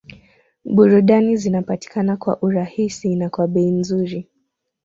Burudani zinapatikana kwa urahisi na kwa bei nzuri